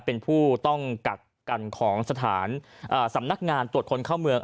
เป็นผู้ต้องกักกันของสถานสำนักงานตรวจคนเข้าเมือง